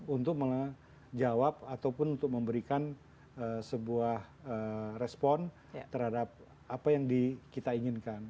untuk menjawab ataupun untuk memberikan sebuah respon terhadap apa yang kita inginkan